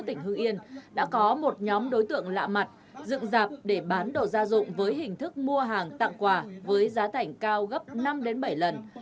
tỉnh hưng yên đã có một nhóm đối tượng lạ mặt dựng dạp để bán đồ gia dụng với hình thức mua hàng tặng quà với giá thảnh cao gấp năm bảy lần